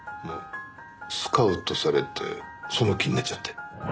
スカウトされてその気になっちゃって。